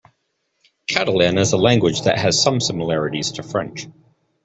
Catalan is a language that has some similarities to French.